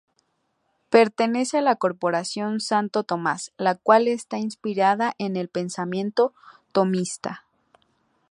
Pertenece a la "Corporación Santo Tomás", la cual está inspirada en el pensamiento Tomista.